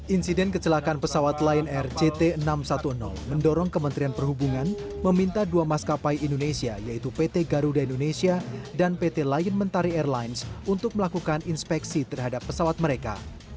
insiden kecelakaan pesawat lion air jt enam ratus sepuluh mendorong kementerian perhubungan meminta dua maskapai indonesia yaitu pt garuda indonesia dan pt lion mentari airlines untuk melakukan inspeksi terhadap pesawat mereka